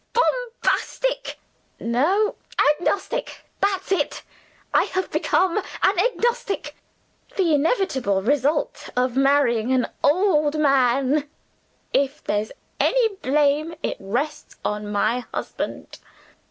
Bombastic? No, Agnostic? that's it! I have become an Agnostic. The inevitable result of marrying an old man; if there's any blame it rests on my husband."